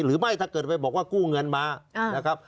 ถ้าเกิดไปบอกว่ากู้เงินมานะครับ